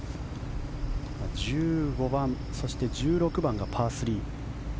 １５番、そして１６番がパー３。